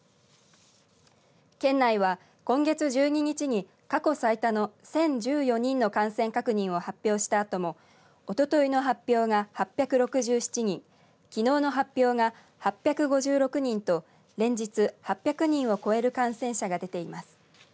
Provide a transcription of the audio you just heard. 県内は、今月１２日に過去最多の１０１４人の感染確認を発表したあともおとといの発表が８６７人きのうの発表が８５６人と連日８００人を超える感染者が出ています。